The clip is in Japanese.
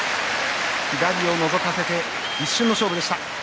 左をのぞかせて一瞬の勝負でした。